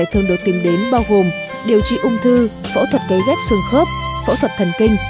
thường được tìm đến bao gồm điều trị ung thư phẫu thuật cấy ghép xương khớp phẫu thuật thần kinh